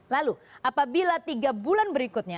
lalu apabila tiga bulan berikutnya